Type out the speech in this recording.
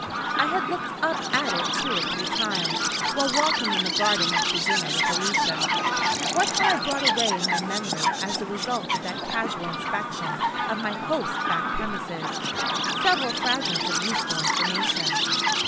I had looked up at it two or three times, while walking in the garden after dinner with Alicia. What had I brought away in my memory as the result of that casual inspection of my host's back premises? Several fragments of useful information.